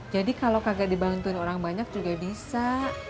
jadi kalau kagak dibantuin orang banyak juga bisa